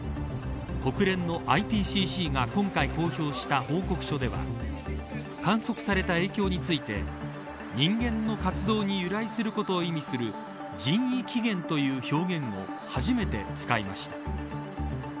国連のＩＰＣＣが今回公表した報告書では観測された影響について人間の活動に由来することを意味する人為起源という表現を初めて使いました。